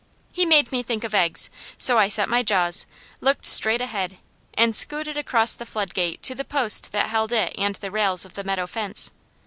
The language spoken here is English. He made me think of eggs, so I set my jaws, looked straight ahead, and scooted across the floodgate to the post that held it and the rails of the meadow fence.